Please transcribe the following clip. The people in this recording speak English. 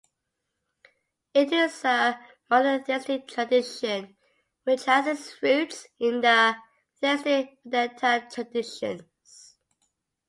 It is a monotheistic tradition which has its roots in the theistic Vedanta traditions.